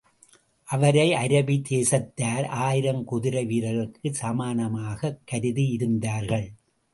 அவரை அரபி தேசத்தார் ஆயிரம் குதிரை வீரர்களுக்கு சமானமாகக் கருதியிருந்தார்கள்.